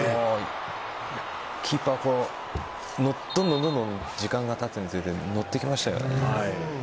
キーパー、どんどん時間がたつにつれて乗ってきましたよね。